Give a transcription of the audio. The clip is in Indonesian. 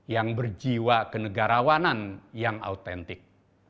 yang berjiwa kenegarawanan yang autentik